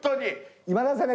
今田さん